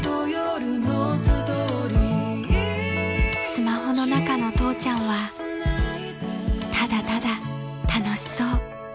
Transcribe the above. ［スマホの中の父ちゃんはただただ楽しそう］